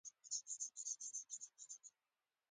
زبېښونکي بنسټونه سیاست د ځواکمنو اشخاصو لپاره جذابه کوي.